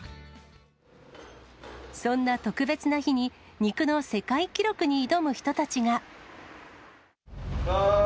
そんな特別な日に、肉の世界記録に挑む人たちが。